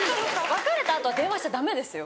別れた後は電話しちゃダメですよ。